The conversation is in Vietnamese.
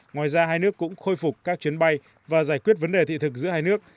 ngoài ra hai nước cũng khôi phục các chuyến bay và giải quyết vấn đề thị thực giữa hai nước